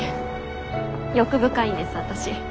欲深いんです私。